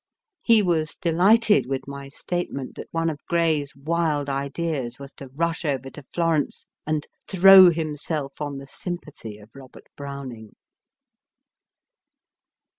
He was delighted with my state ment that one of Gray s wild ideas was to rush over to Florence and throw himself on the sympathy of Robert Browning.